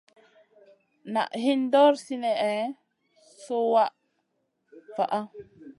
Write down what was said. Naʼ hin ɗor sinèhna suwayna vaʼa.